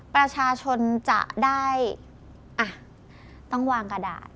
ประชาชนจะได้ต้องวางกระดาษ